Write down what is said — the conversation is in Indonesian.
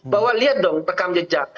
bahwa lihat dong rekam jejak